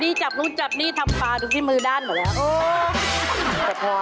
นี่จับนู่นจับนี่ทำปลาดูที่มือด้านหมดแล้ว